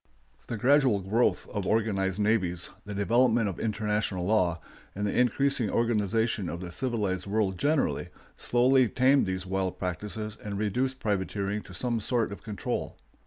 ] The gradual growth of organized navies, the development of international law, and the increasing organization of the civilized world generally, slowly tamed these wild practices and reduced privateering to some sort of control.